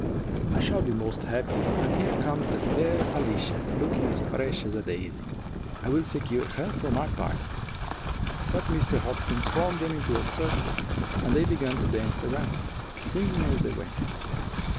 "I shall be most happy; and here comes the fair Alicia, looking as fresh as a daisy. I will secure her for my partner." But Mr. Hopkins formed them into a circle, and they began to dance around, singing as they went.